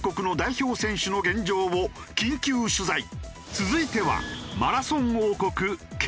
続いては。